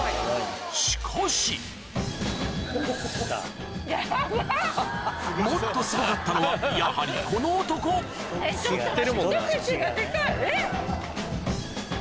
しかしもっとすごかったのはやはりこの男えっちょっと待って。